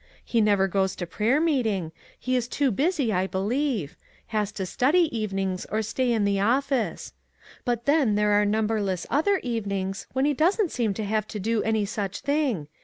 He never goes to prayer meeting. He is too busy, I believe ; has to study evenings or stay in the office ; but then there are num berless other evenings when he doesn't seem to have to do any such thing.